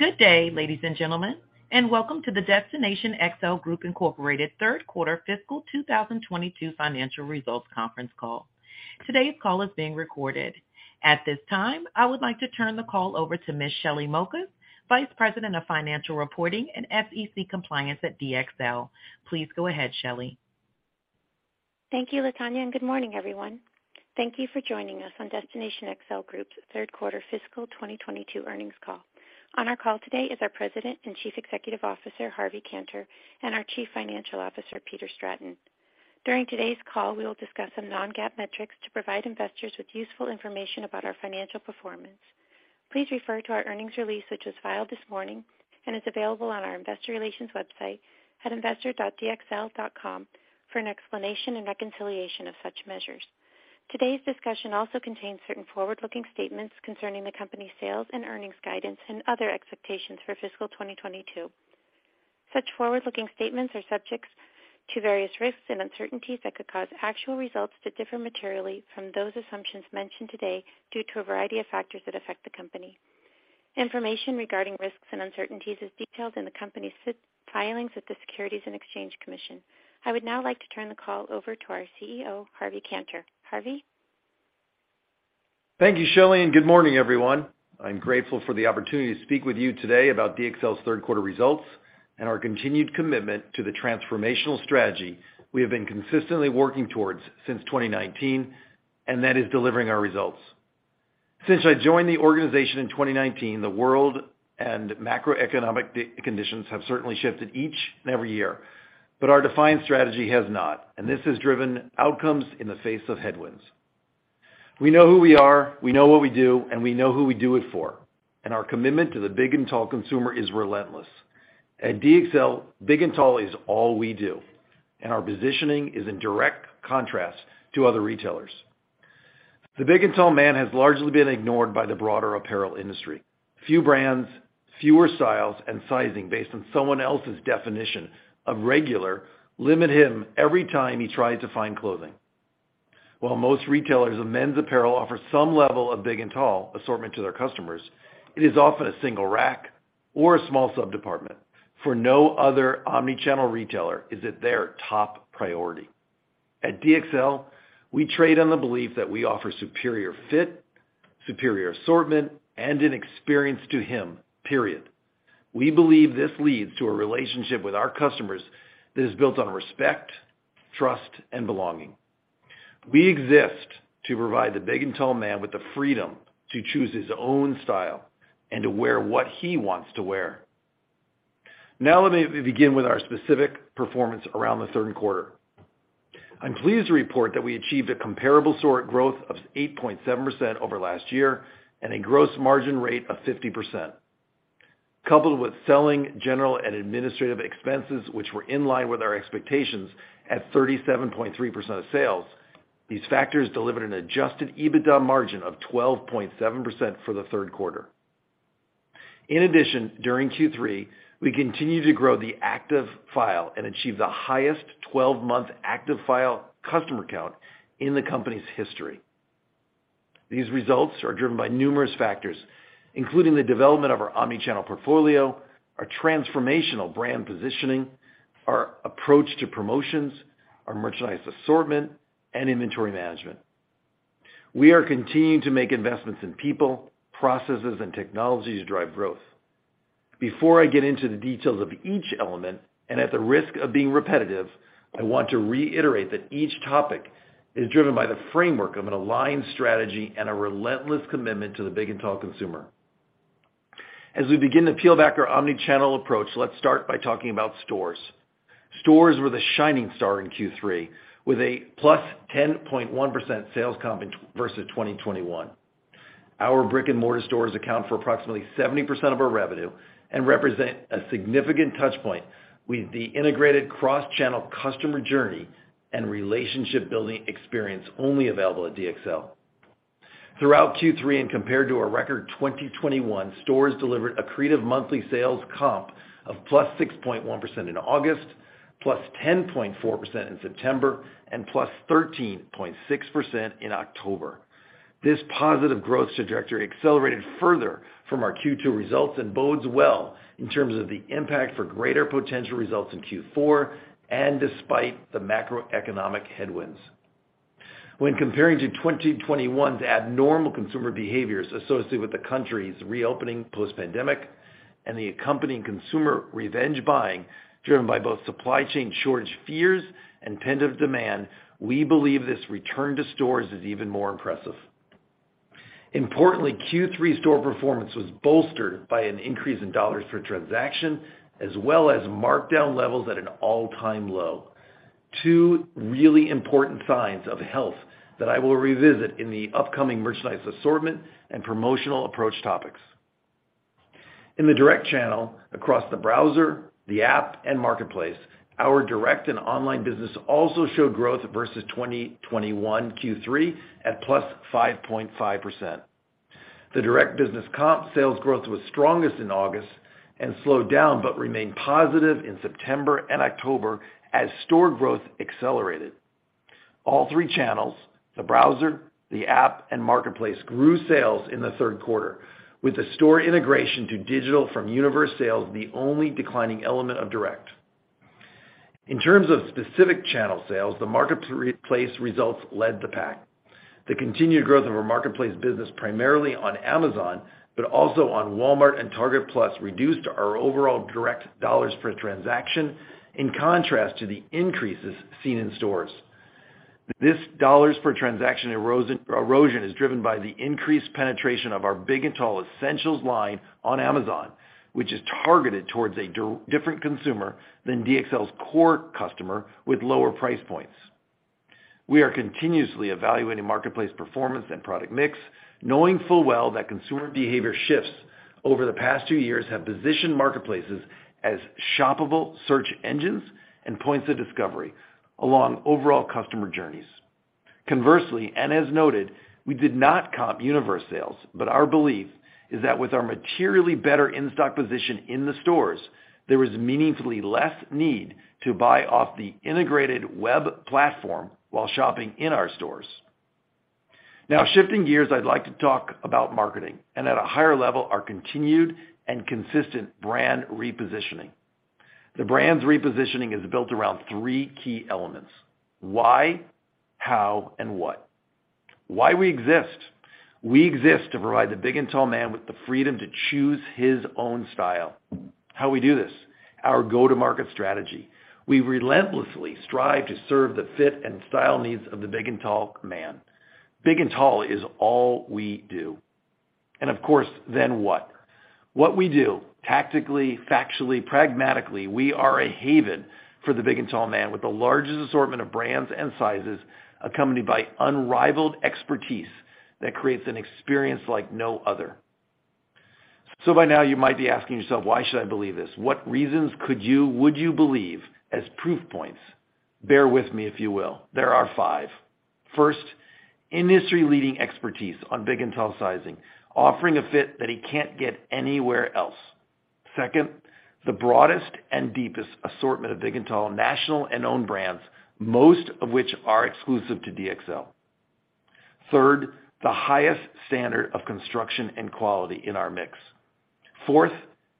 Good day, ladies and gentlemen, and welcome to the Destination XL Group, Inc. Q3 fiscal 2022 financial results conference call. Today's call is being recorded. At this time, I would like to turn the call over to Miss Shelly Mokas, Vice President of Financial Reporting and SEC Compliance at DXL. Please go ahead, Shelly. Thank you, Latonya, and good morning, everyone. Thank you for joining us on Destination XL Group's Q3 fiscal 2022 earnings call. On our call today is our President and Chief Executive Officer, Harvey Kanter, and our Chief Financial Officer, Peter Stratton. During today's call, we will discuss some non-GAAP metrics to provide investors with useful information about our financial performance. Please refer to our earnings release, which was filed this morning and is available on our investor relations website at investor.dxl.com for an explanation and reconciliation of such measures. Today's discussion also contains certain forward-looking statements concerning the company's sales and earnings guidance and other expectations for fiscal 2022. Such forward-looking statements are subject to various risks and uncertainties that could cause actual results to differ materially from those assumptions mentioned today due to a variety of factors that affect the company. Information regarding risks and uncertainties is detailed in the company's filings with the Securities and Exchange Commission. I would now like to turn the call over to our CEO, Harvey Kanter. Harvey? Thank you, Shelly, and good morning, everyone. I'm grateful for the opportunity to speak with you today about DXL's Q3 results and our continued commitment to the transformational strategy we have been consistently working towards since 2019, and that is delivering our results. Since I joined the organization in 2019, the world and macroeconomic conditions have certainly shifted each and every year, but our defined strategy has not, and this has driven outcomes in the face of headwinds. We know who we are, we know what we do, and we know who we do it for, and our commitment to the big and tall consumer is relentless. At DXL, big and tall is all we do, and our positioning is in direct contrast to other retailers. The big and tall man has largely been ignored by the broader apparel industry. Few brands, fewer styles, and sizing based on someone else's definition of regular limit him every time he tries to find clothing. While most retailers of men's apparel offer some level of big and tall assortment to their customers, it is often a single rack or a small sub-department. For no other omni-channel retailer is it their top priority. At DXL, we trade on the belief that we offer superior fit, superior assortment, and an experience to him, period. We believe this leads to a relationship with our customers that is built on respect, trust, and belonging. We exist to provide the big and tall man with the freedom to choose his own style and to wear what he wants to wear. Now let me begin with our specific performance around the Q3. I'm pleased to report that we achieved a comparable store growth of 8.7% over last year and a gross margin rate of 50%. Coupled with selling, general, and administrative expenses, which were in line with our expectations at 37.3% of sales, these factors delivered an adjusted EBITDA margin of 12.7% for the Q3. In addition, during Q3, we continued to grow the active file and achieve the highest 12-month active file customer count in the company's history. These results are driven by numerous factors, including the development of our omnichannel portfolio, our transformational brand positioning, our approach to promotions, our merchandise assortment, and inventory management. We are continuing to make investments in people, processes, and technology to drive growth. Before I get into the details of each element, and at the risk of being repetitive, I want to reiterate that each topic is driven by the framework of an aligned strategy and a relentless commitment to the big and tall consumer. As we begin to peel back our omnichannel approach, let's start by talking about stores. Stores were the shining star in Q3 with a +10.1% sales comp versus 2021. Our brick-and-mortar stores account for approximately 70% of our revenue and represent a significant touchpoint with the integrated cross-channel customer journey and relationship-building experience only available at DXL. Throughout Q3 and compared to our record 2021, stores delivered accretive monthly sales comp of +6.1% in August, +10.4% in September, and +13.6% in October. This positive growth trajectory accelerated further from our Q2 results and bodes well in terms of the impact for greater potential results in Q4 and despite the macroeconomic headwinds. When comparing to 2021's abnormal consumer behaviors associated with the country's reopening post-pandemic and the accompanying consumer revenge buying, driven by both supply chain shortage fears and pent-up demand, we believe this return to stores is even more impressive. Importantly, Q3 store performance was bolstered by an increase in dollars per transaction as well as markdown levels at an all-time low. Two really important signs of health that I will revisit in the upcoming merchandise assortment and promotional approach topics. In the direct channel across the browser, the app, and marketplace, our direct and online business also showed growth versus 2021 Q3 at +5.5%. The direct business comp sales growth was strongest in August and slowed down but remained positive in September and October as store growth accelerated. All three channels, the browser, the app, and marketplace grew sales in the Q3, with the store integration to digital from Universe sales the only declining element of direct. In terms of specific channel sales, the marketplace results led the pack. The continued growth of our marketplace business primarily on Amazon, but also on Walmart and Target Plus reduced our overall direct dollars per transaction, in contrast to the increases seen in stores. This dollars per transaction erosion is driven by the increased penetration of our Big and Tall Essentials line on Amazon, which is targeted towards a different consumer than DXL's core customer with lower price points. We are continuously evaluating marketplace performance and product mix, knowing full well that consumer behavior shifts over the past two years have positioned marketplaces as shoppable search engines and points of discovery along overall customer journeys. Conversely, and as noted, we did not comp Universe sales, but our belief is that with our materially better in-stock position in the stores, there is meaningfully less need to buy off the integrated web platform while shopping in our stores. Now shifting gears, I'd like to talk about marketing and at a higher level, our continued and consistent brand repositioning. The brand's repositioning is built around three key elements, why, how, and what. Why we exist. We exist to provide the big and tall man with the freedom to choose his own style. How we do this, our go-to-market strategy. We relentlessly strive to serve the fit and style needs of the big and tall man. Big and tall is all we do. Of course, then what? What we do tactically, factually, pragmatically, we are a haven for the big and tall man with the largest assortment of brands and sizes, accompanied by unrivaled expertise that creates an experience like no other. By now, you might be asking yourself, why should I believe this? What reasons would you believe as proof points? Bear with me, if you will. There are five. First, industry-leading expertise on big and tall sizing, offering a fit that he can't get anywhere else. Second, the broadest and deepest assortment of big and tall national and owned brands, most of which are exclusive to DXL. Third, the highest standard of construction and quality in our mix. Fourth,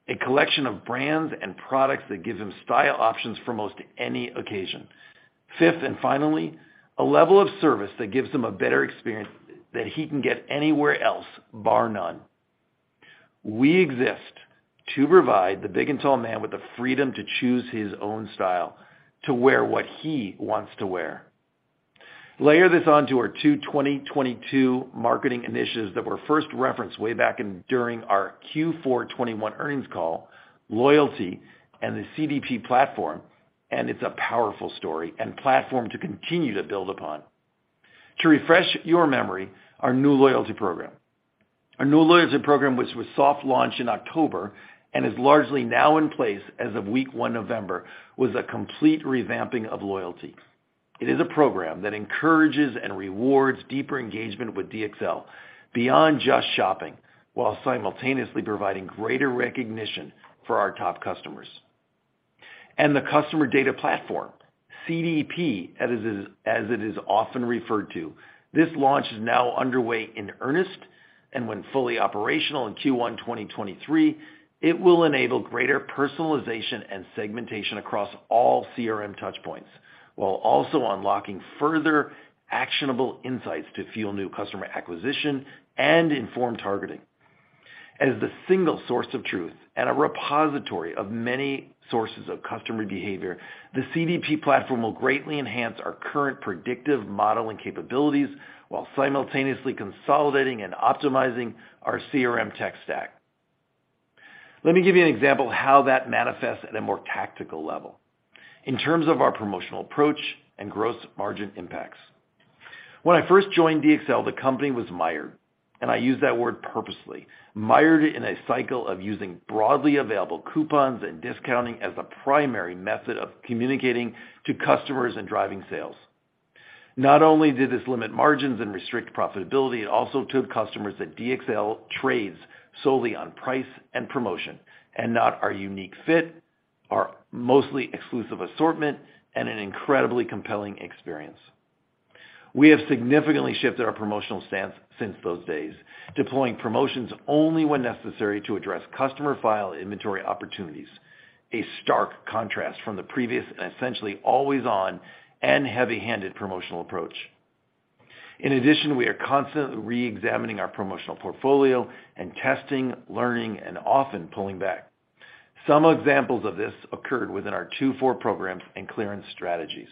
a collection of brands and products that give him style options for most any occasion. Fifth, and finally, a level of service that gives him a better experience that he can get anywhere else, bar none. We exist to provide the big and tall man with the freedom to choose his own style, to wear what he wants to wear. Layer this onto our two 2022 marketing initiatives that were first referenced during our Q4 2021 earnings call, loyalty and the CDP platform, and it's a powerful story and platform to continue to build upon. To refresh your memory, our new loyalty program, which was soft launched in October and is largely now in place as of week one November, was a complete revamping of loyalty. It is a program that encourages and rewards deeper engagement with DXL beyond just shopping, while simultaneously providing greater recognition for our top customers. The customer data platform, CDP, as it is often referred to. This launch is now underway in earnest, and when fully operational in Q1 2023, it will enable greater personalization and segmentation across all CRM touch points, while also unlocking further actionable insights to fuel new customer acquisition and inform targeting. As the single source of truth and a repository of many sources of customer behavior, the CDP platform will greatly enhance our current predictive modeling capabilities while simultaneously consolidating and optimizing our CRM tech stack. Let me give you an example of how that manifests at a more tactical level in terms of our promotional approach and gross margin impacts. When I first joined DXL, the company was mired, and I use that word purposely, mired in a cycle of using broadly available coupons and discounting as a primary method of communicating to customers and driving sales. Not only did this limit margins and restrict profitability, also told customers that DXL trades solely on price and promotion and not our unique fit, our mostly exclusive assortment, and an incredibly compelling experience. We have significantly shifted our promotional stance since those days, deploying promotions only when necessary to address customer file inventory opportunities, a stark contrast from the previous essentially always-on and heavy-handed promotional approach. In addition, we are constantly re-examining our promotional portfolio and testing, learning, and often pulling back. Some examples of this occurred within our 2-for programs and clearance strategies.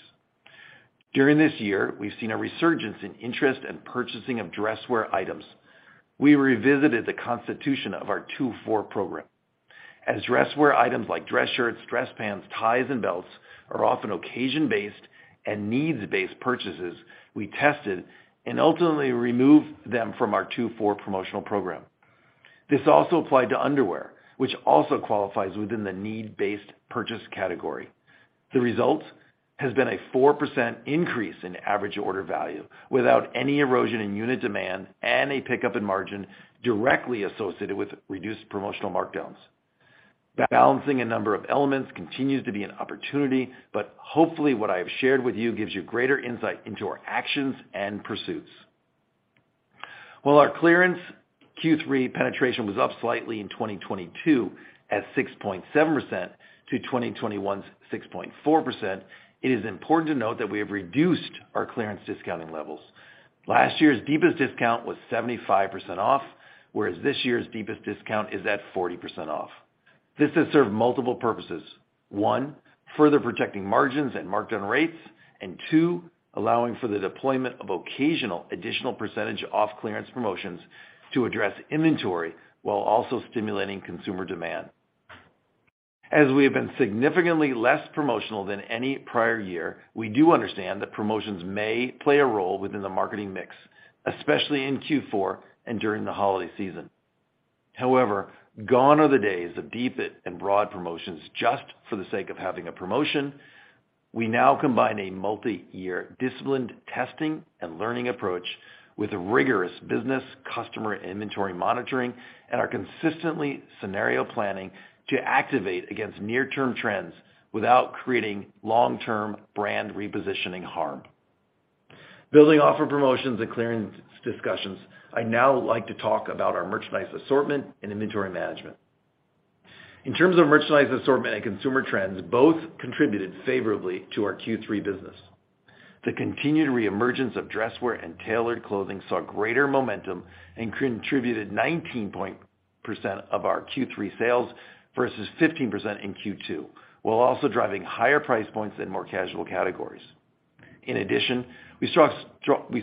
During this year, we've seen a resurgence in interest and purchasing of dresswear items. We revisited the constitution of our 2-for program. As dress wear items like dress shirts, dress pants, ties, and belts are often occasion-based and needs-based purchases, we tested and ultimately removed them from our 2-for promotional program. This also applied to underwear, which also qualifies within the need-based purchase category. The result has been a 4% increase in average order value without any erosion in unit demand and a pickup in margin directly associated with reduced promotional markdowns. Balancing a number of elements continues to be an opportunity, but hopefully what I have shared with you gives you greater insight into our actions and pursuits. While our clearance Q3 penetration was up slightly in 2022 at 6.7% to 2021's 6.4%, it is important to note that we have reduced our clearance discounting levels. Last year's deepest discount was 75% off, whereas this year's deepest discount is at 40% off. This has served multiple purposes. One, further protecting margins and markdown rates, and two, allowing for the deployment of occasional additional percentage off clearance promotions to address inventory while also stimulating consumer demand. As we have been significantly less promotional than any prior year, we do understand that promotions may play a role within the marketing mix, especially in Q4 and during the holiday season. However, gone are the days of deep and broad promotions just for the sake of having a promotion. We now combine a multi-year disciplined testing and learning approach with a rigorous business customer inventory monitoring and are consistently scenario planning to activate against near-term trends without creating long-term brand repositioning harm. Building off of promotions and clearance discussions, I'd now like to talk about our merchandise assortment and inventory management. In terms of merchandise assortment and consumer trends, both contributed favorably to our Q3 business. The continued reemergence of dress wear and tailored clothing saw greater momentum and contributed 19% of our Q3 sales versus 15% in Q2, while also driving higher price points in more casual categories. In addition, we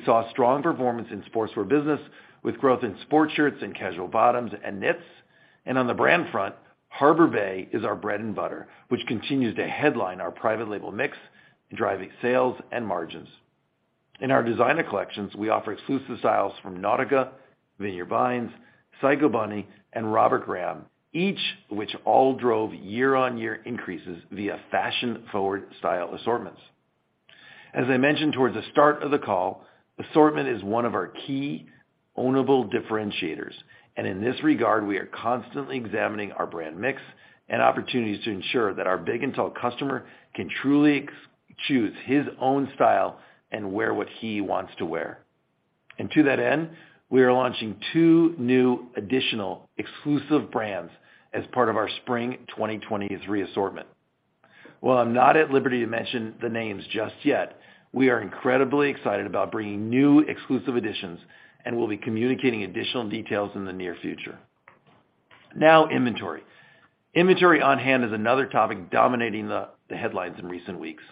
saw strong performance in sportswear business with growth in sports shirts and casual bottoms and knits. On the brand front, Harbor Bay is our bread and butter, which continues to headline our private label mix, driving sales and margins. In our designer collections, we offer exclusive styles from Nautica, Vineyard Vines, Psycho Bunny, and Robert Graham, each which all drove year-on-year increases via fashion-forward style assortments. As I mentioned towards the start of the call, assortment is one of our key ownable differentiators, and in this regard, we are constantly examining our brand mix and opportunities to ensure that our big and tall customer can truly choose his own style and wear what he wants to wear. To that end, we are launching two new additional exclusive brands as part of our spring 2023 assortment. While I'm not at liberty to mention the names just yet, we are incredibly excited about bringing new exclusive additions, and we'll be communicating additional details in the near future. Now inventory. Inventory on hand is another topic dominating the headlines in recent weeks.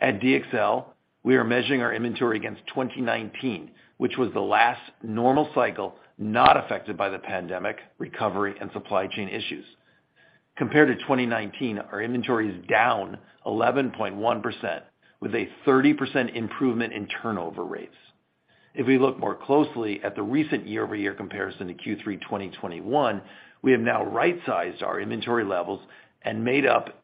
At DXL, we are measuring our inventory against 2019, which was the last normal cycle not affected by the pandemic recovery and supply chain issues. Compared to 2019, our inventory is down 11.1% with a 30% improvement in turnover rates. If we look more closely at the recent year-over-year comparison to Q3 2021, we have now right-sized our inventory levels and made-up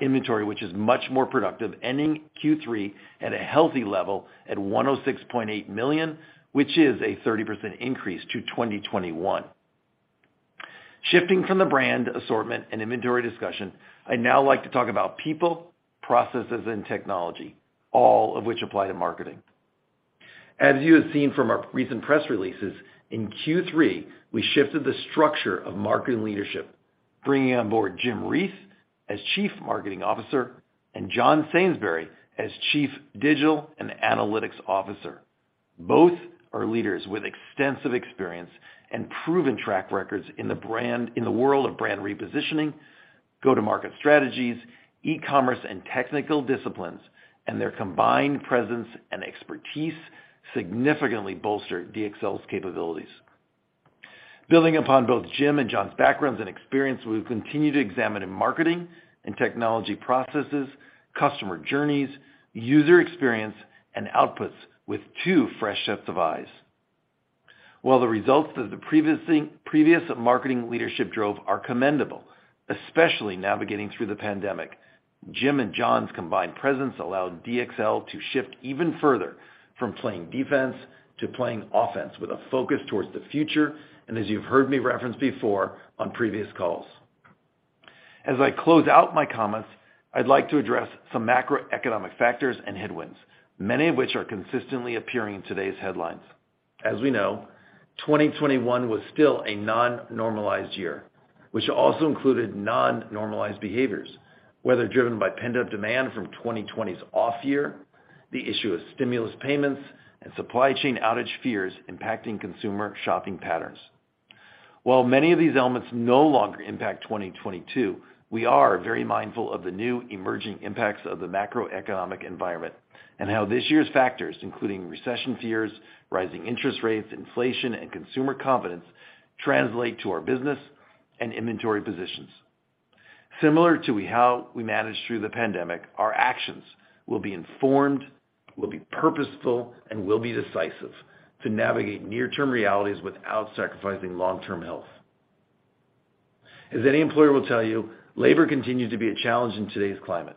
inventory which is much more productive, ending Q3 at a healthy level at $106.8 million, which is a 30% increase to 2021. Shifting from the brand assortment and inventory discussion, I'd now like to talk about people, processes, and technology, all of which apply to marketing. As you have seen from our recent press releases, in Q3, we shifted the structure of marketing leadership, bringing on board James Reath as Chief Marketing Officer and Jonathan Sainsbury as Chief Digital & Analytics Officer. Both are leaders with extensive experience and proven track records in the world of brand repositioning, go-to-market strategies, e-commerce, and technical disciplines. Their combined presence and expertise significantly bolster DXL's capabilities. Building upon both Jim and John's backgrounds and experience, we've continued examining marketing and technology processes, customer journeys, user experience, and outputs with two fresh sets of eyes. While the results that the previous marketing leadership drove are commendable, especially navigating through the pandemic, Jim and John's combined presence allowed DXL to shift even further from playing defense to playing offense with a focus towards the future. As you've heard me reference before on previous calls. As I close out my comments, I'd like to address some macroeconomic factors and headwinds, many of which are consistently appearing in today's headlines. As we know, 2021 was still a non-normalized year, which also included non-normalized behaviors, whether driven by pent-up demand from 2020's off year, the issue of stimulus payments, and supply chain outage fears impacting consumer shopping patterns. While many of these elements no longer impact 2022, we are very mindful of the new emerging impacts of the macroeconomic environment and how this year's factors, including recession fears, rising interest rates, inflation, and consumer confidence translate to our business and inventory positions. Similar to how we managed through the pandemic, our actions will be informed, will be purposeful, and will be decisive to navigate near-term realities without sacrificing long-term health. As any employer will tell you, labor continues to be a challenge in today's climate.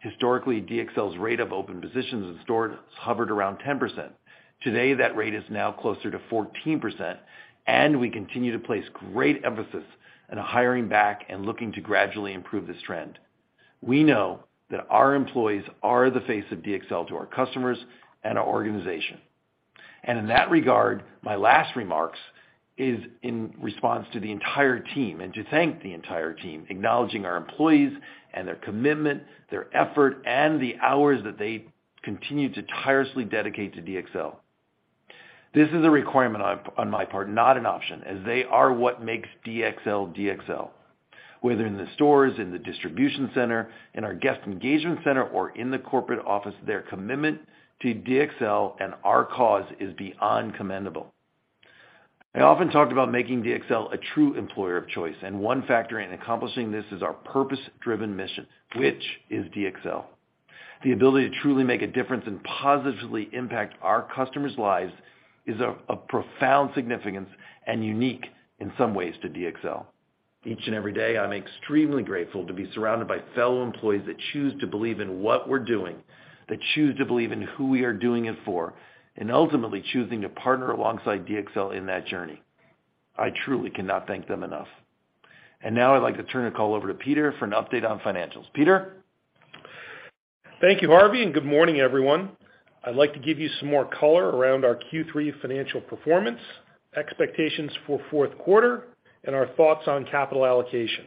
Historically, DXL's rate of open positions in stores hovered around 10%. Today, that rate is now closer to 14%, and we continue to place great emphasis on hiring back and looking to gradually improve this trend. We know that our employees are the face of DXL to our customers and our organization. In that regard, my last remarks is in response to the entire team and to thank the entire team, acknowledging our employees and their commitment, their effort, and the hours that they continue to tirelessly dedicate to DXL. This is a requirement on my part, not an option, as they are what makes DXL. Whether in the stores, in the distribution center, in our guest engagement center, or in the corporate office, their commitment to DXL and our cause is beyond commendable. I often talked about making DXL a true employer of choice, and one factor in accomplishing this is our purpose-driven mission, which is DXL. The ability to truly make a difference and positively impact our customers' lives is of profound significance and unique in some ways to DXL. Each and every day, I'm extremely grateful to be surrounded by fellow employees that choose to believe in what we're doing, that choose to believe in who we are doing it for and ultimately choosing to partner alongside DXL in that journey. I truly cannot thank them enough. Now I'd like to turn the call over to Peter for an update on financials. Peter? Thank you, Harvey, and good morning, everyone. I'd like to give you some more color around our Q3 financial performance, expectations for Q4, and our thoughts on capital allocation.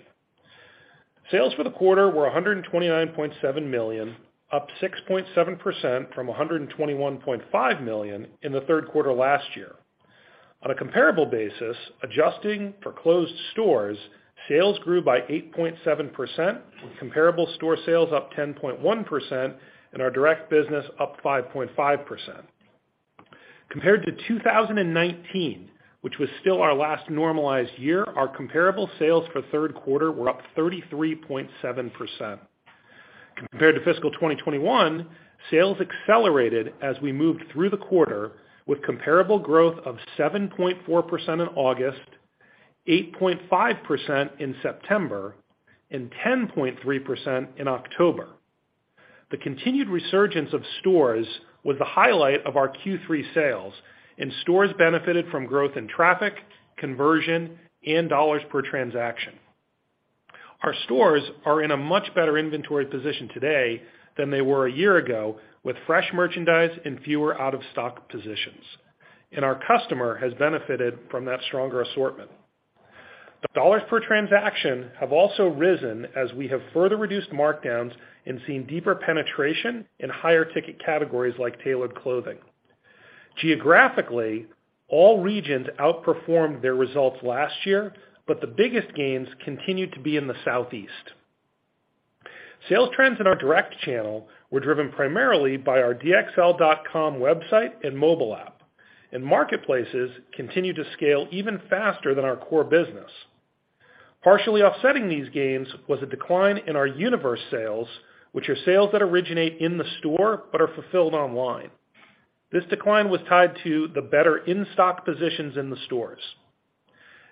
Sales for the quarter were $129.7 million, up 6.7% from $121.5 million in the Q3 last year. On a comparable basis, adjusting for closed stores, sales grew by 8.7%, comparable store sales up 10.1%, and our direct business up 5.5%. Compared to 2019, which was still our last normalized year, our comparable sales for Q3 were up 33.7%. Compared to fiscal 2021, sales accelerated as we moved through the quarter with comparable growth of 7.4% in August, 8.5% in September, and 10.3% in October. The continued resurgence of stores was the highlight of our Q3 sales, and stores benefited from growth in traffic, conversion, and dollars per transaction. Our stores are in a much better inventory position today than they were a year ago, with fresh merchandise and fewer out-of-stock positions, and our customer has benefited from that stronger assortment. The dollars per transaction have also risen as we have further reduced markdowns and seen deeper penetration in higher ticket categories like tailored clothing. Geographically, all regions outperformed their results last year, but the biggest gains continued to be in the Southeast. Sales trends in our direct channel were driven primarily by our DXL.com website and mobile app, and marketplaces continue to scale even faster than our core business. Partially offsetting these gains was a decline in our Universe sales, which are sales that originate in the store but are fulfilled online. This decline was tied to the better in-stock positions in the stores.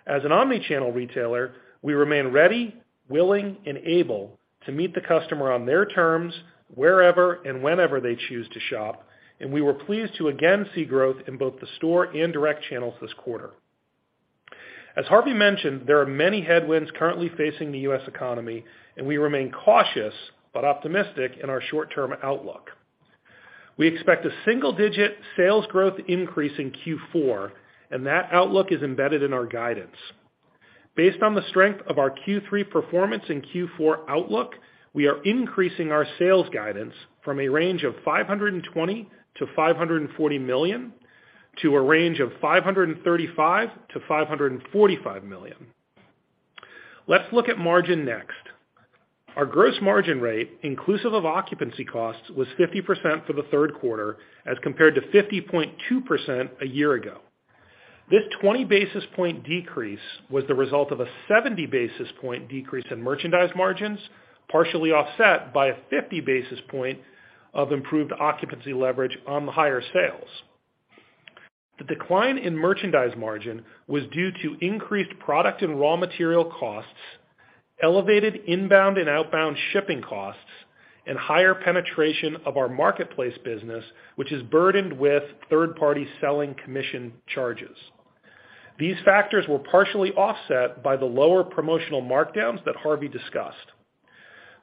As an omni-channel retailer, we remain ready, willing, and able to meet the customer on their terms wherever and whenever they choose to shop, and we were pleased to again see growth in both the store and direct channels this quarter. As Harvey mentioned, there are many headwinds currently facing the U.S. economy, and we remain cautious but optimistic in our short-term outlook. We expect a single-digit sales growth increase in Q4, and that outlook is embedded in our guidance. Based on the strength of our Q3 performance and Q4 outlook, we are increasing our sales guidance from a range of $520 to 540 million to a range of $535 to 545 million. Let's look at margin next. Our gross margin rate, inclusive of occupancy costs, was 50% for the Q3 as compared to 50.2% a year ago. This 20-basis point decrease was the result of a 70-basis point decrease in merchandise margins, partially offset by a 50-basis point of improved occupancy leverage on the higher sales. The decline in merchandise margin was due to increased product and raw material costs, elevated inbound and outbound shipping costs, and higher penetration of our marketplace business, which is burdened with third-party selling commission charges. These factors were partially offset by the lower promotional markdowns that Harvey discussed.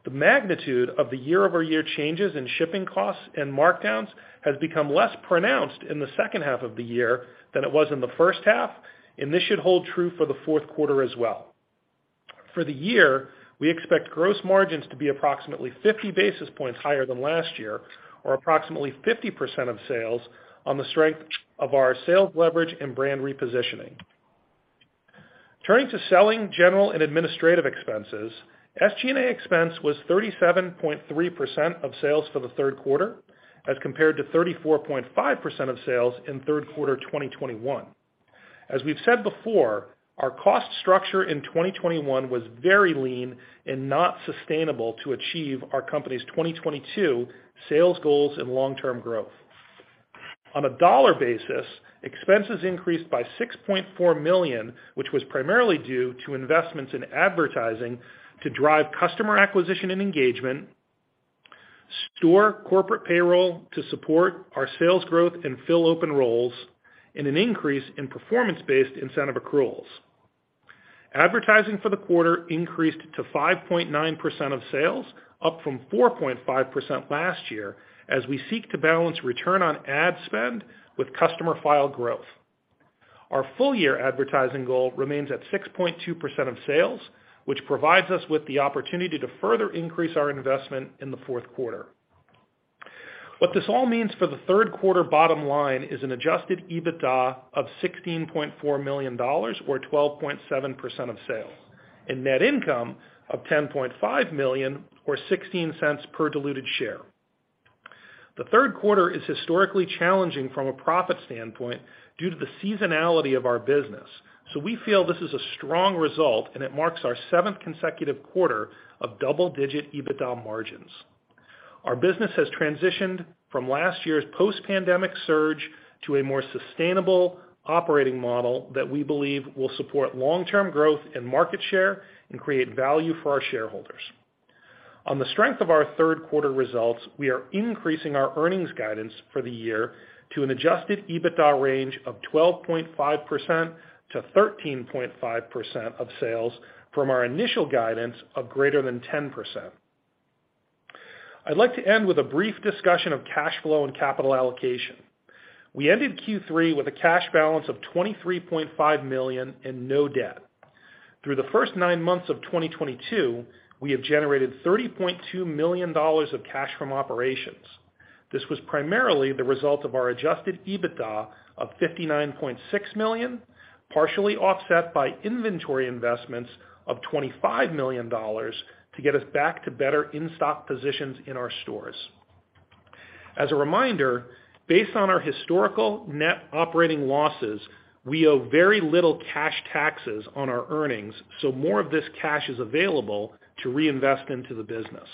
The magnitude of the year-over-year changes in shipping costs and markdowns has become less pronounced in the H2 of the year than it was in the H1, and this should hold true for the Q4 as well. For the year, we expect gross margins to be approximately 50 basis points higher than last year, or approximately 50% of sales on the strength of our sales leverage and brand repositioning. Turning to selling, general, and administrative expenses. SG&A expense was 37.3% of sales for the Q3 as compared to 34.5% of sales in Q3 2021. As we've said before, our cost structure in 2021 was very lean and not sustainable to achieve our company's 2022 sales goals and long-term growth. On a dollar basis, expenses increased by $6.4 million, which was primarily due to investments in advertising to drive customer acquisition and engagement, store corporate payroll to support our sales growth and fill open roles, and an increase in performance-based incentive accruals. Advertising for the quarter increased to 5.9% of sales, up from 4.5% last year, as we seek to balance return on ad spend with customer file growth. Our full-year advertising goal remains at 6.2% of sales, which provides us with the opportunity to further increase our investment in the Q4. What this all means for the Q3 bottom line is an adjusted EBITDA of $16.4 million, or 12.7% of sales, and net income of $10.5 million, or $0.16 per diluted share. The Q3 is historically challenging from a profit standpoint due to the seasonality of our business, so we feel this is a strong result, and it marks our seventh consecutive quarter of double-digit EBITDA margins. Our business has transitioned from last year's post-pandemic surge to a more sustainable operating model that we believe will support long-term growth and market share and create value for our shareholders. On the strength of our Q3 results, we are increasing our earnings guidance for the year to an adjusted EBITDA range of 12.5 to 13.5% of sales from our initial guidance of greater than 10%. I'd like to end with a brief discussion of cash flow and capital allocation. We ended Q3 with a cash balance of $23.5 million and no debt. Through the first nine months of 2022, we have generated $30.2 million of cash from operations. This was primarily the result of our adjusted EBITDA of $59.6 million, partially offset by inventory investments of $25 million to get us back to better in-stock positions in our stores. As a reminder, based on our historical net operating losses, we owe very little cash taxes on our earnings, so more of this cash is available to reinvest into the business.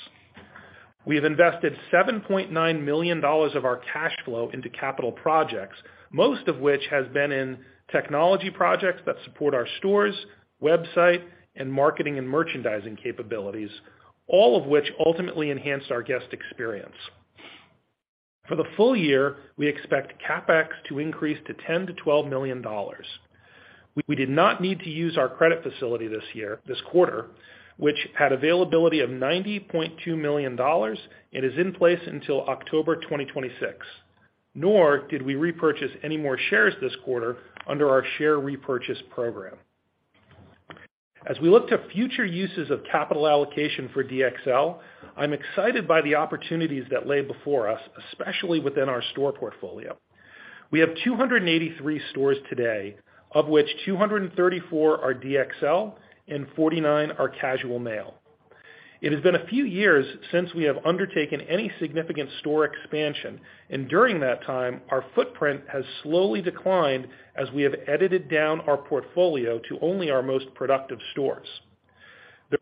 We have invested $7.9 million of our cash flow into capital projects, most of which has been in technology projects that support our stores, website, and marketing and merchandising capabilities, all of which ultimately enhance our guest experience. For the full year, we expect CapEx to increase to $10 to 12 million. We did not need to use our credit facility this quarter, which had availability of $90.2 million and is in place until October 2026, nor did we repurchase any more shares this quarter under our share repurchase program. As we look to future uses of capital allocation for DXL, I'm excited by the opportunities that lay before us, especially within our store portfolio. We have 283 stores today, of which 234 are DXL and 49 are Casual Male. It has been a few years since we have undertaken any significant store expansion, and during that time, our footprint has slowly declined as we have edited down our portfolio to only our most productive stores.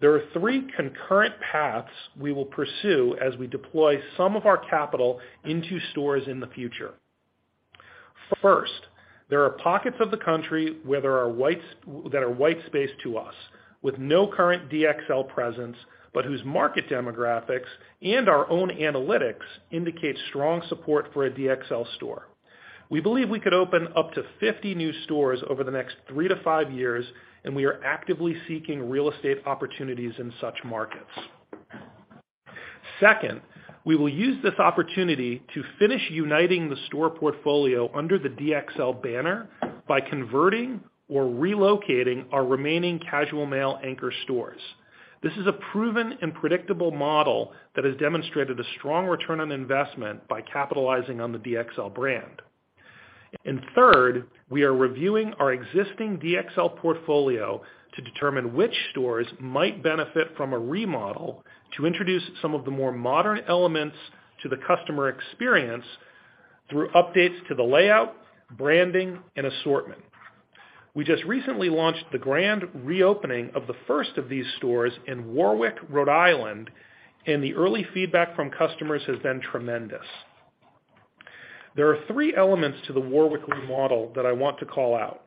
There are three concurrent paths we will pursue as we deploy some of our capital into stores in the future. First, there are pockets of the country that are white space to us with no current DXL presence, but whose market demographics and our own analytics indicate strong support for a DXL store. We believe we could open up to 50 new stores over the next 3-5 years, and we are actively seeking real estate opportunities in such markets. Second, we will use this opportunity to finish uniting the store portfolio under the DXL banner by converting or relocating our remaining Casual Male XL stores. This is a proven and predictable model that has demonstrated a strong return on investment by capitalizing on the DXL brand. Third, we are reviewing our existing DXL portfolio to determine which stores might benefit from a remodel to introduce some of the more modern elements to the customer experience through updates to the layout, branding, and assortment. We just recently launched the grand reopening of the first of these stores in Warwick, Rhode Island, and the early feedback from customers has been tremendous. There are three elements to the Warwick remodel that I want to call out.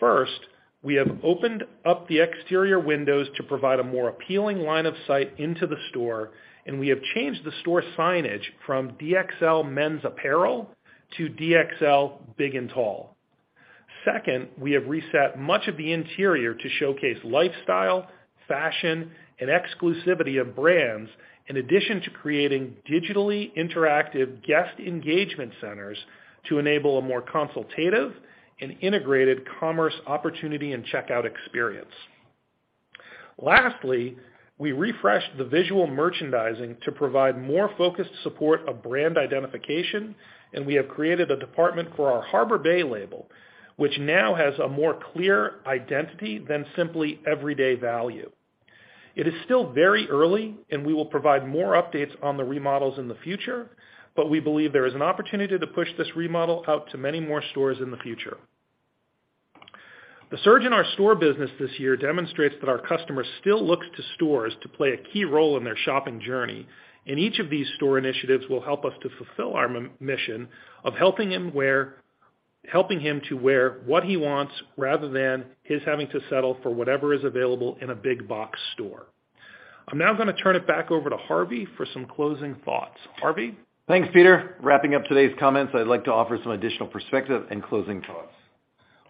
First, we have opened up the exterior windows to provide a more appealing line of sight into the store, and we have changed the store signage from DXL Men's Apparel to DXL Big + Tall. Second, we have reset much of the interior to showcase lifestyle, fashion, and exclusivity of brands, in addition to creating digitally interactive guest engagement centers to enable a more consultative and integrated commerce opportunity and checkout experience. Lastly, we refreshed the visual merchandising to provide more focused support of brand identification, and we have created a department for our Harbor Bay label, which now has a more clear identity than simply everyday value. It is still very early, and we will provide more updates on the remodels in the future, but we believe there is an opportunity to push this remodel out to many more stores in the future. The surge in our store business this year demonstrates that our customers still look to stores to play a key role in their shopping journey. Each of these store initiatives will help us to fulfill our mission of helping him to wear what he wants rather than his having to settle for whatever is available in a big box store. I'm now gonna turn it back over to Harvey for some closing thoughts. Harvey? Thanks, Peter. Wrapping up today's comments, I'd like to offer some additional perspective and closing thoughts.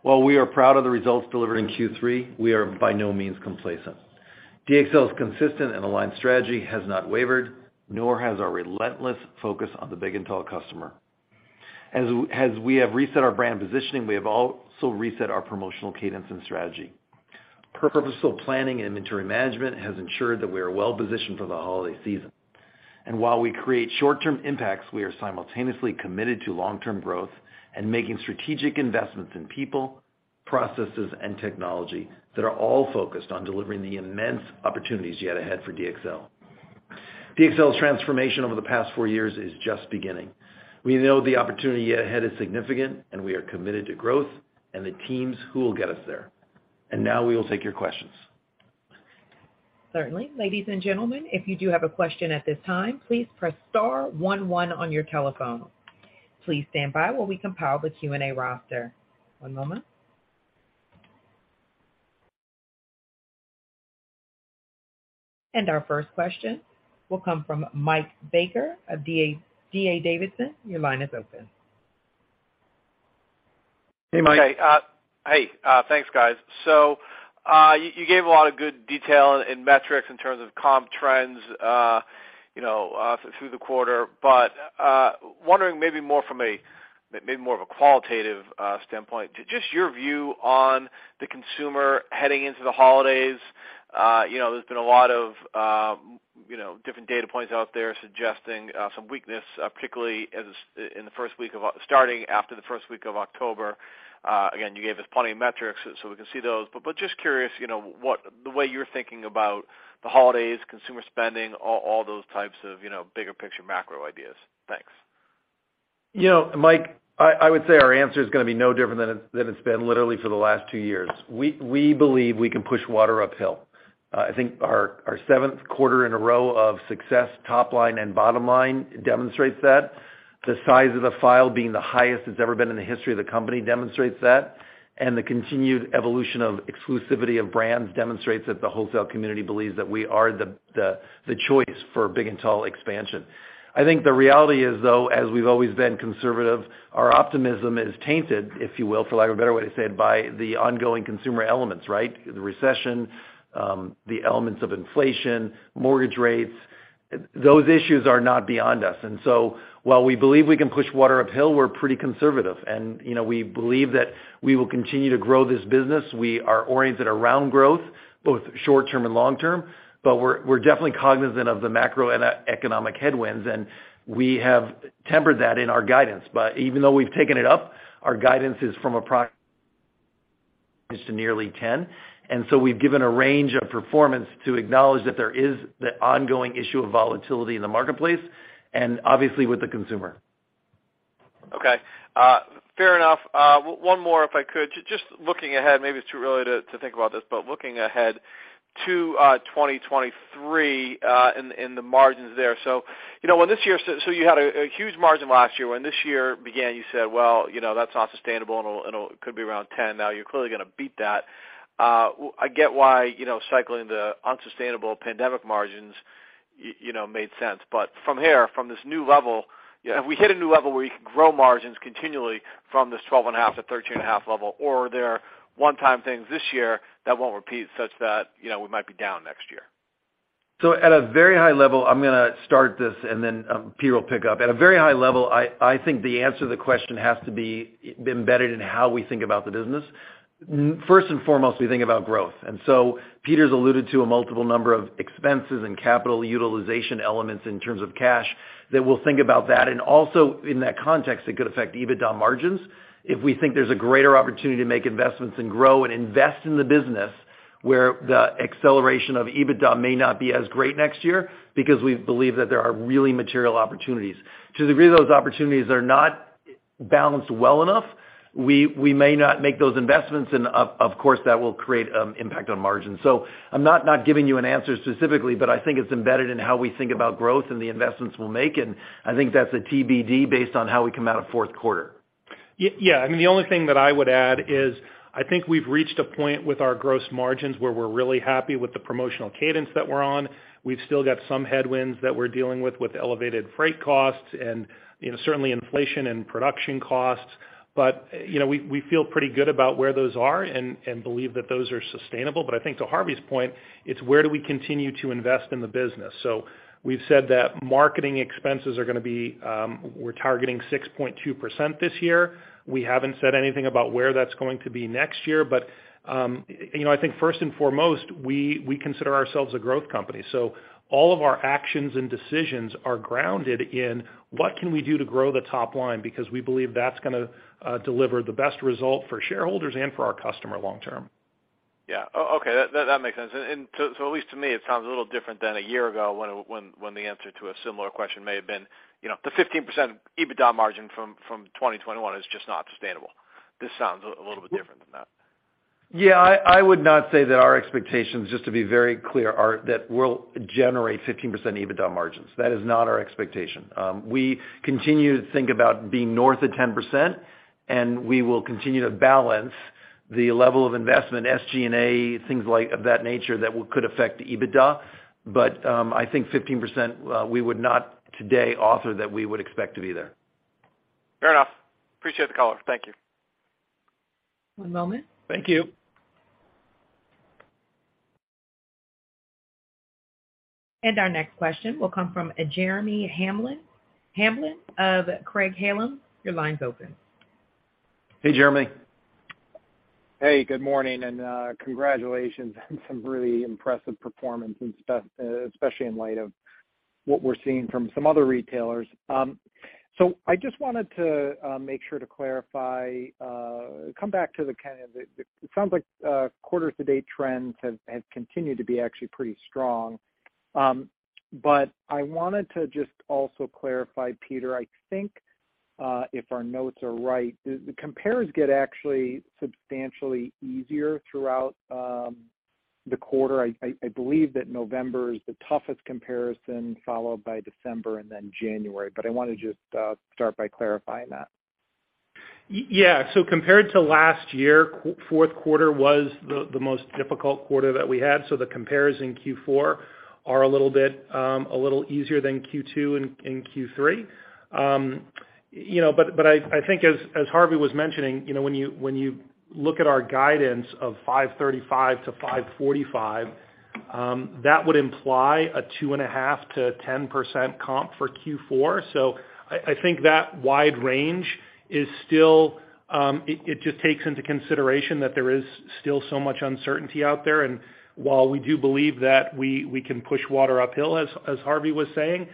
While we are proud of the results delivered in Q3, we are by no means complacent. DXL's consistent and aligned strategy has not wavered, nor has our relentless focus on the big and tall customer. As we have reset our brand positioning, we have also reset our promotional cadence and strategy. Purposeful planning and inventory management has ensured that we are well positioned for the holiday season. While we create short-term impacts, we are simultaneously committed to long-term growth and making strategic investments in people, processes, and technology that are all focused on delivering the immense opportunities yet ahead for DXL. DXL's transformation over the past four years is just beginning. We know the opportunity ahead is significant, and we are committed to growth and the teams who will get us there. Now we will take your questions. Certainly. Ladies and gentlemen, if you do have a question at this time, please press star one one on your telephone. Please stand by while we compile the Q&A roster. One moment. Our first question will come from Michael Baker of D.A. Davidson. Your line is open. Hey, Mike. Hey, thanks, guys. You gave a lot of good detail and metrics in terms of comp trends, you know, through the quarter. Wondering maybe more from a qualitative standpoint just your view on the consumer heading into the holidays. You know, there's been a lot of different data points out there suggesting some weakness, particularly starting after the first week of October. Again, you gave us plenty of metrics so we can see those. Just curious, you know, the way you're thinking about the holidays, consumer spending, all those types of, you know, bigger picture macro ideas. Thanks. You know, Mike, I would say our answer is gonna be no different than it's been literally for the last two years. We believe we can push water uphill. I think our seventh quarter in a row of success, top line and bottom line demonstrates that. The size of the file being the highest it's ever been in the history of the company demonstrates that. The continued evolution of exclusivity of brands demonstrates that the wholesale community believes that we are the choice for big and tall expansion. I think the reality is though, as we've always been conservative, our optimism is tainted, if you will, for lack of a better way to say it, by the ongoing consumer elements, right? The recession, the elements of inflation, mortgage rates, those issues are not beyond us. While we believe we can push water uphill, we're pretty conservative. You know, we believe that we will continue to grow this business. We are oriented around growth, both short-term and long-term, but we're definitely cognizant of the macroeconomic headwinds, and we have tempered that in our guidance. Even though we've taken it up, our guidance is from just to nearly 10. We've given a range of performance to acknowledge that there is the ongoing issue of volatility in the marketplace and obviously with the consumer. Okay, fair enough. One more, if I could. Just looking ahead, maybe it's too early to think about this, but looking ahead to 2023 and the margins there. You know, you had a huge margin last year. When this year began, you said, "Well, you know, that's not sustainable and could be around 10%." Now you're clearly gonna beat that. I get why, you know, cycling the unsustainable pandemic margins, you know, made sense. From here, from this new level, you know, have we hit a new level where you can grow margins continually from this 12.5 to 13.5% level? Are there one-time things this year that won't repeat such that, you know, we might be down next year? At a very high level, I'm gonna start this and then Peter will pick up. At a very high level, I think the answer to the question has to be embedded in how we think about the business. First and foremost, we think about growth. Peter's alluded to a multiple number of expenses and capital utilization elements in terms of cash, that we'll think about that. In that context, it could affect EBITDA margins if we think there's a greater opportunity to make investments and grow and invest in the business where the acceleration of EBITDA may not be as great next year because we believe that there are really material opportunities. To the degree those opportunities are not balanced well enough, we may not make those investments and of course, that will create impact on margin. I'm not giving you an answer specifically, but I think it's embedded in how we think about growth and the investments we'll make, and I think that's a TBD based on how we come out of Q4. Yeah. I mean, the only thing that I would add is I think we've reached a point with our gross margins where we're really happy with the promotional cadence that we're on. We've still got some headwinds that we're dealing with elevated freight costs and, you know, certainly inflation and production costs. You know, we feel pretty good about where those are and believe that those are sustainable. I think to Harvey's point, it's where do we continue to invest in the business? We're targeting 6.2% this year. We haven't said anything about where that's going to be next year, but, you know, I think first and foremost, we consider ourselves a growth company. All of our actions and decisions are grounded in what can we do to grow the top line because we believe that's gonna deliver the best result for shareholders and for our customer long term. Yeah. Okay, that makes sense. At least to me, it sounds a little different than a year ago when the answer to a similar question may have been, you know, the 15% EBITDA margin from 2021 is just not sustainable. This sounds a little bit different than that. Yeah, I would not say that our expectations, just to be very clear, are that we'll generate 15% EBITDA margins. That is not our expectation. We continue to think about being north of 10%, and we will continue to balance the level of investment, SG&A, things like of that nature that could affect EBITDA. I think 15%, we would not today author that we would expect to be there. Fair enough. Appreciate the color. Thank you. One moment. Thank you. Our next question will come from Jeremy Hamblin of Craig-Hallum. Your line's open. Hey, Jeremy. Hey, good morning, congratulations on some really impressive performance, especially in light of what we're seeing from some other retailers. I just wanted to make sure to clarify. It sounds like quarter-to-date trends have continued to be actually pretty strong. I wanted to just also clarify, Peter, I think if our notes are right, the compares get actually substantially easier throughout the quarter. I believe that November is the toughest comparison, followed by December and then January. I wanna just start by clarifying that. Yeah. Compared to last year, Q4 was the most difficult quarter that we had. The compares in Q4 are a little easier than Q2 and Q3. You know, I think as Harvey was mentioning, you know, when you look at our guidance of $535 to 545, that would imply a 2.5 to 10% comp for Q4. I think that wide range is still, it just takes into consideration that there is still so much uncertainty out there. While we do believe that we can push water uphill, as Harvey was saying,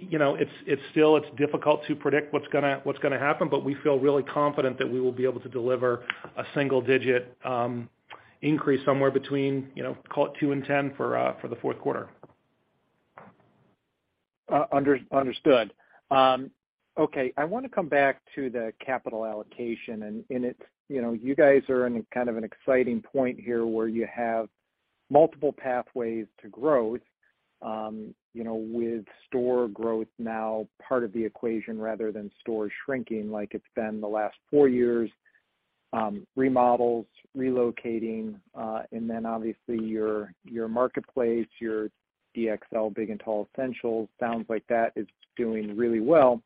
you know, it's still difficult to predict what's gonna happen. We feel really confident that we will be able to deliver a single-digit increase somewhere between, you know, call it 2% and 10% for the Q4. Understood. Okay, I wanna come back to the capital allocation. You know, you guys are in kind of an exciting point here where you have multiple pathways to growth, you know, with store growth now part of the equation rather than store shrinking like it's been the last four years, remodels, relocating, and then obviously your marketplace, your DXL Big + Tall Essentials sounds like that is doing really well.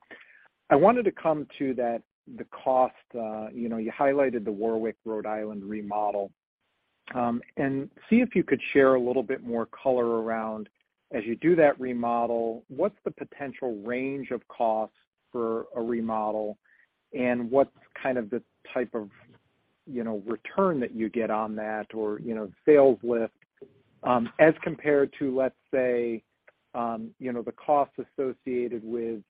I wanted to come to that, the cost, you know, you highlighted the Warwick, Rhode Island remodel, and see if you could share a little bit more color around, as you do that remodel, what's the potential range of costs for a remodel, and what's kind of the type of, you know, return that you get on that or, you know, sales lift, as compared to, let's say, you know, the cost associated with,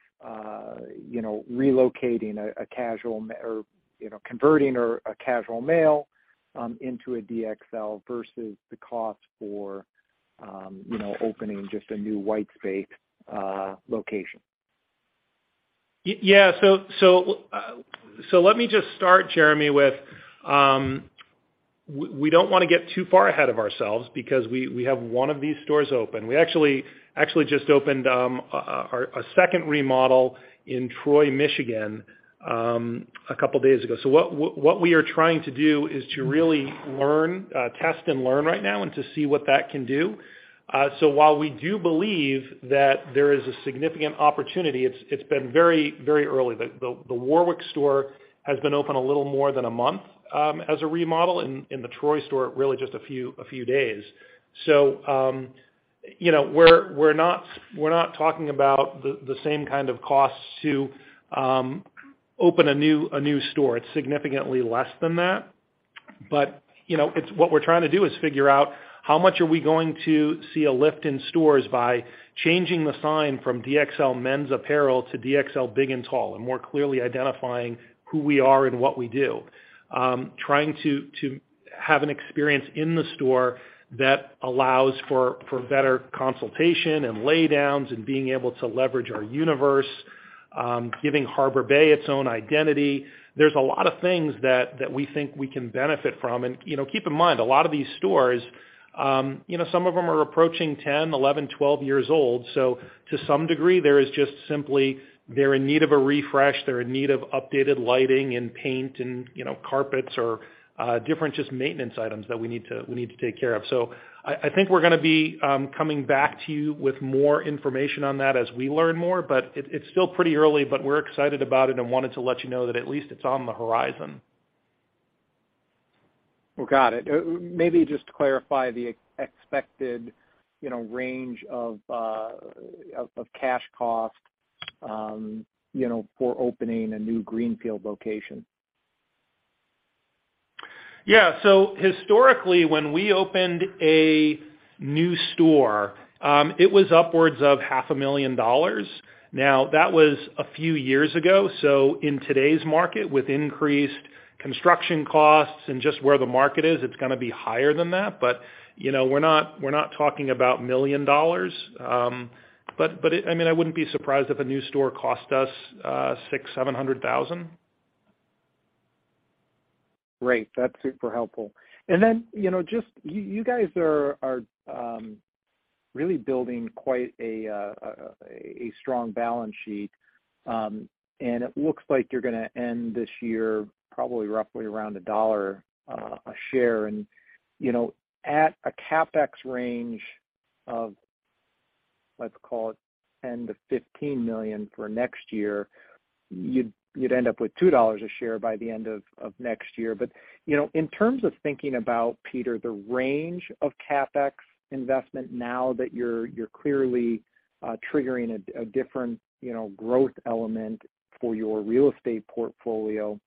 you know, relocating or, you know, converting a Casual Male XL into a DXL versus the cost for, you know, opening just a new white space location. Let me just start, Jeremy, with we don't wanna get too far ahead of ourselves because we have one of these stores open. We actually just opened a second remodel in Troy, Michigan, a couple days ago. What we are trying to do is to really learn, test and learn right now and to see what that can do. While we do believe that there is a significant opportunity, it's been very, very early. The Warwick store has been open a little more than a month as a remodel. In the Troy store, really just a few days. You know, we're not talking about the same kind of costs to open a new store. It's significantly less than that. You know, what we're trying to do is figure out how much are we going to see a lift in stores by changing the sign from DXL Men's Apparel to DXL Big + Tall, and more clearly identifying who we are and what we do. Trying to have an experience in the store that allows for better consultation and laydowns and being able to leverage our Universe, giving Harbor Bay its own identity. There's a lot of things that we think we can benefit from. You know, keep in mind, a lot of these stores, you know, some of them are approaching 10, 11, 12 years old. To some degree, there is just simply they're in need of a refresh, they're in need of updated lighting and paint and, you know, carpets or different just maintenance items that we need to take care of. I think we're gonna be coming back to you with more information on that as we learn more. It's still pretty early, but we're excited about it and wanted to let you know that at least it's on the horizon. Well, got it. Maybe just to clarify the expected, you know, range of cash cost, you know, for opening a new greenfield location. Yeah. Historically, when we opened a new store, it was upwards of half a million dollars. Now, that was a few years ago. In today's market, with increased construction costs and just where the market is, it's gonna be higher than that. You know, we're not talking about $ million. I mean, I wouldn't be surprised if a new store cost us $600,000. Great. That's super helpful. And then, you know, just you guys are, um, really building quite a, a strong balance sheet. Um, and it looks like you're gonna end this year probably roughly around a dollar, uh, a share. And, you know, at a CapEx range of, let's call it ten to fifteen million for next year, you'd end up with two dollars a share by the end of next year. But, you know, in terms of thinking about, Peter, the range of CapEx investment now that you're clearly, uh, triggering a different, you know, growth element for your real estate portfolio,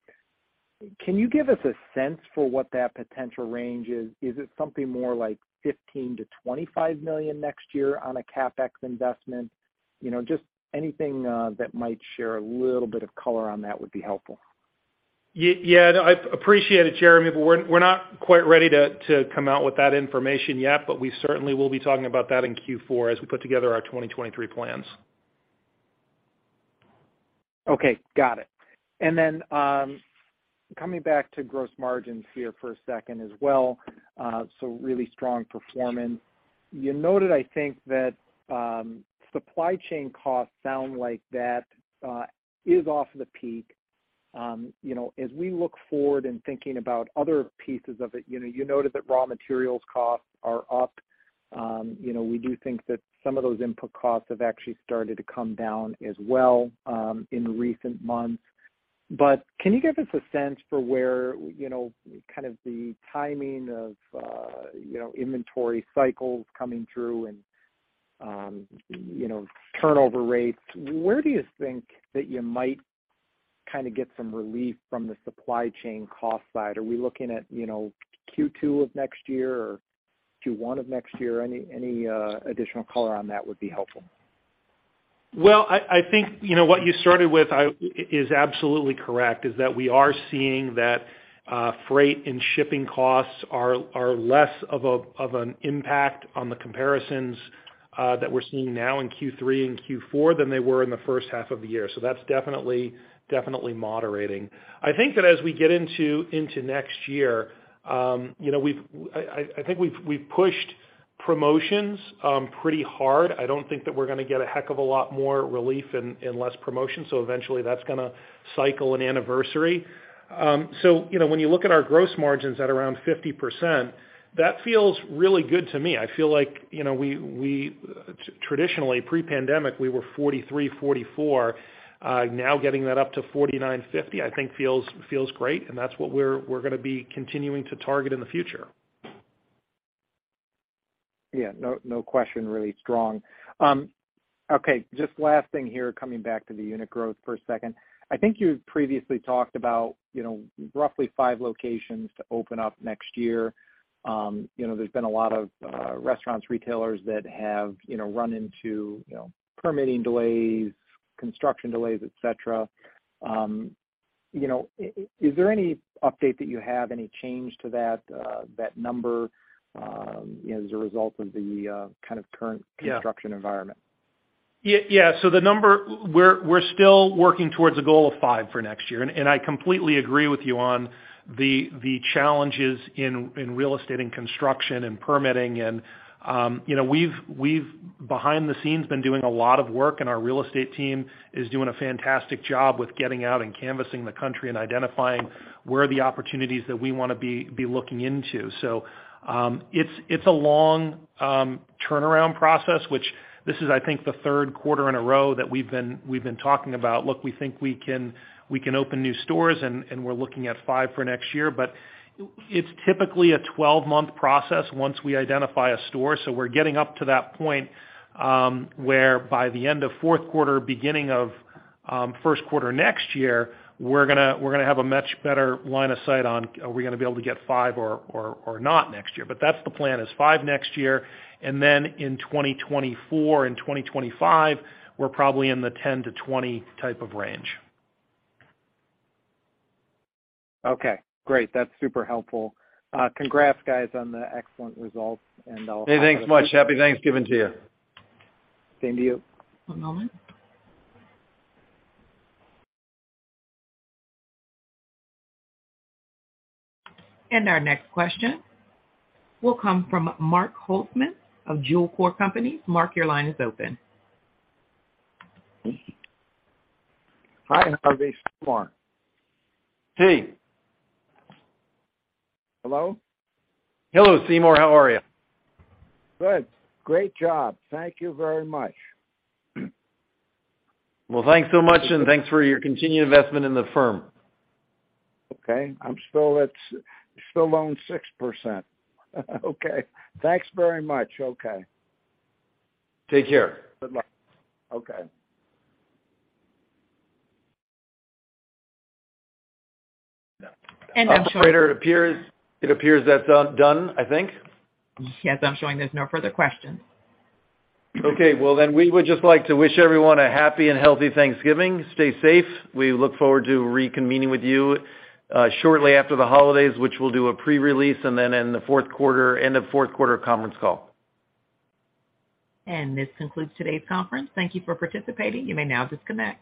can you give us a sense for what that potential range is? Is it something more like fifteen to twenty-five million next year on a CapEx investment? You know, just anything that might share a little bit of color on that would be helpful. Yeah, no, I appreciate it, Jeremy. We're not quite ready to come out with that information yet, but we certainly will be talking about that in Q4 as we put together our 2023 plans. Okay, got it. Coming back to gross margins here for a second as well, really strong performance. You noted, I think, that supply chain costs sound like that is off the peak. You know, as we look forward in thinking about other pieces of it, you know, you noted that raw materials costs are up. You know, we do think that some of those input costs have actually started to come down as well in recent months. Can you give us a sense for where, you know, kind of the timing of, you know, inventory cycles coming through and, you know, turnover rates? Where do you think that you might kind a get some relief from the supply chain cost side? Are we looking at, you know, Q2 of next year or Q1 of next year? Any additional color on that would be helpful. Well, I think, you know, what you started with is absolutely correct, is that we are seeing that freight and shipping costs are less of an impact on the comparisons that we're seeing now in Q3 and Q4 than they were in the H1 of the year. That's definitely moderating. I think that as we get into next year, you know, I think we've pushed promotions pretty hard. I don't think that we're gonna get a heck of a lot more relief in less promotions, so eventually that's gonna cycle an anniversary. You know, when you look at our gross margins at around 50%, that feels really good to me. I feel like, you know, we traditionally pre-pandemic, we were forty-three, forty-four, uh, now getting that up to forty-nine, fifty, I think feels great, and that's what we're gonna be continuing to target in the future. Yeah. No question, really strong. Okay, just last thing here, coming back to the unit growth for a second. I think you previously talked about, you know, roughly five locations to open up next year. You know, there's been a lot of restaurants, retailers that have, you know, run into, you know, permitting delays, construction delays, et cetera. You know, is there any update that you have, any change to that number? Yeah. Construction environment? Yeah. We're still working towards a goal of 5 for next year. I completely agree with you on the challenges in real estate and construction and permitting. You know, we've, behind the scenes, been doing a lot of work, and our real estate team is doing a fantastic job with getting out and canvassing the country and identifying where are the opportunities that we wanna be looking into. It's a long turnaround process, which this is, I think, the Q3 in a row that we've been talking about. Look, we think we can open new stores and we're looking at 5 for next year. It's typically a 12-month process once we identify a store. We're getting up to that point where by the end of Q4, beginning of Q1 next year, we're gonna have a much better line of sight on are we gonna be able to get five or not next year. That's the plan, is five next year, and then in 2024 and 2025, we're probably in the 10 to 20 type of range. Okay, great. That's super helpful. Congrats guys on the excellent results. Hey, thanks so much. Happy Thanksgiving to you. Same to you. One moment. Our next question will come from Mark Holtman of Jewel Core Companies. Mark, your line is open. Hi, how are you, Stratton? Hey. Hello? Hello, Seymour. How are you? Good. Great job. Thank you very much. Well, thanks so much, and thanks for your continued investment in the firm. Okay. Still own 6%. Okay. Thanks very much. Okay. Take care. Good luck. Okay. I'm showing. Operator, it appears that's done, I think. Yes, I'm showing there's no further questions. Okay. Well, we would just like to wish everyone a happy and healthy Thanksgiving. Stay safe. We look forward to reconvening with you shortly after the holidays, which we'll do a pre-release and then in the end of Q4 conference call. This concludes today's conference. Thank you for participating. You may now disconnect.